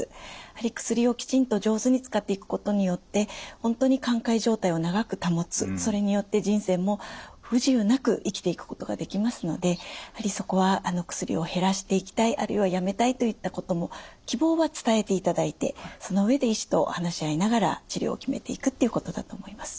やはり薬をきちんと上手に使っていくことによって本当に寛解状態を長く保つそれによって人生も不自由なく生きていくことができますのでやはりそこは薬を減らしていきたいあるいはやめたいといったことも希望は伝えていただいてその上で医師と話し合いながら治療を決めていくっていうことだと思います。